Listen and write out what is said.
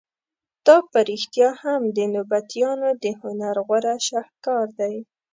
دا په رښتیا هم د نبطیانو د هنر غوره شهکار دی.